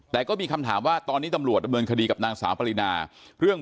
แต่ก็มีคำถามว่าตอนนี้ตำรวจดำเนินคดีกับนางสาวปรินาเรื่อง